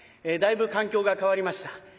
だいぶ環境が変わりました。